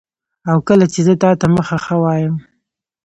او کله چي زه تاته مخه ښه وایم